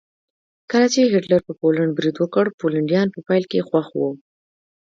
کله چې هېټلر په پولنډ برید وکړ پولنډیان په پیل کې خوښ وو